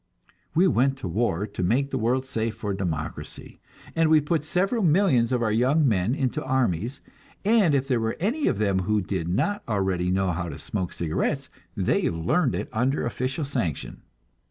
We went to war to make the world safe for democracy, and we put several millions of our young men into armies, and if there were any of them who did not already know how to smoke cigarettes, they learned it under official sanction.